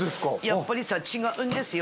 やっぱりさ違うんですよ